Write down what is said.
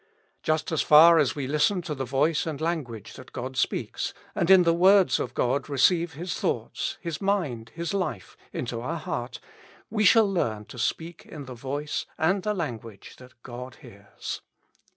Just as far as we listen to the voice and lan guage that God speaks, and in the words of God re ceive His thoughts, His mind, His life, into our heart, we shall learn to speak in the voice and the language that God hears.